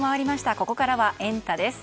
ここからはエンタ！です。